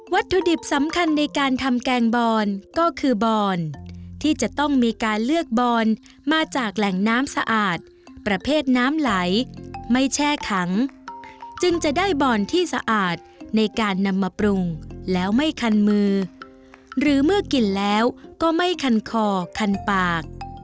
ถุดิบสำคัญในการทำแกงบอนก็คือบอนที่จะต้องมีการเลือกบอนมาจากแหล่งน้ำสะอาดประเภทน้ำไหลไม่แช่ขังจึงจะได้บอนที่สะอาดในการนำมาปรุงแล้วไม่คันมือหรือเมื่อกินแล้วก็ไม่คันคอคันปาก